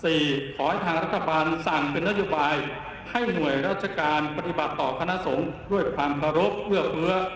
ขอให้ทางรัฐบาลสั่งเป็นนโยบายให้หน่วยราชการปฏิบัติต่อคณะสงฆ์ด้วยความเคารพเอื้อเฟื้อ